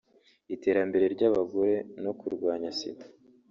iterambere ry’abagore no kurwanya Sida